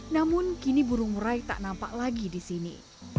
namun kini burung merai tak nampak lagi di sini